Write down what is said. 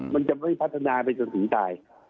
มันจะไม่พัฒนาไปจนถึงตาย